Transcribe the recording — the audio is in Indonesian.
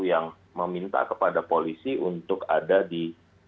yang meminta kepada polisi untuk ada di